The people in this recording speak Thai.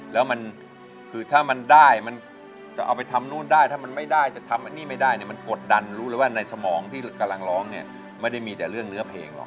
แล้วมันคือถ้ามันได้มันจะเอาไปทำนู่นได้ถ้ามันไม่ได้จะทำอันนี้ไม่ได้เนี่ยมันกดดันรู้เลยว่าในสมองที่กำลังร้องเนี่ยไม่ได้มีแต่เรื่องเนื้อเพลงหรอก